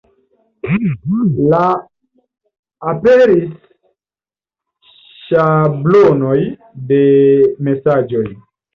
La aperis ŝablonoj de mesaĝoj.